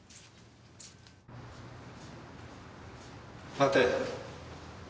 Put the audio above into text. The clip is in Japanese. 待て。